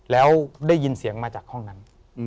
แล้วได้ยินเสียงมาจากห้องนั้น